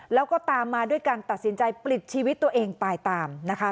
แล้วก็ตามมาด้วยการตัดสินใจปลิดชีวิตตัวเองตายตามนะคะ